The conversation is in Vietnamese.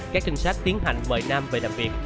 các trinh sát tiến hành mời nam về làm việc